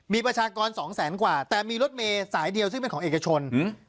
มีประชากรสองแสนกว่าแต่มีรถเมย์สายเดียวซึ่งเป็นของเอกชน